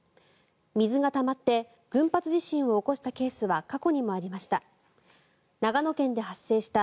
水がたまって群発地震を起こしたケースは過去にもありました。